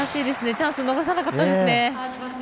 チャンス逃さなかったですね。